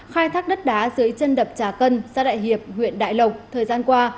khai thác đất đá dưới chân đập trà cân xã đại hiệp huyện đại lộc thời gian qua